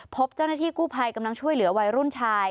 พบเจ้าหน้าที่กู้ภัยกำลังช่วยเหลือวัยรุ่นชาย